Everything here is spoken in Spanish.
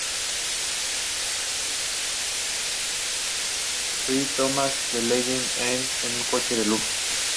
Luego se mudó a Montevideo y más adelante a Porto Alegre.